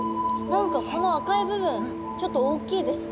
何かこの赤い部分ちょっと大きいですね。